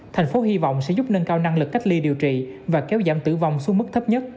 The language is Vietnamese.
thành phố hy vọng sẽ giúp nâng cao năng lực cách ly điều trị và kéo giảm tử vong xuống mức thấp nhất